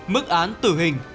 mức án tử hình